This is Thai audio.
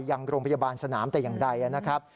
ยังโรงพยาบาลสนามแต่อย่างใดนะครับ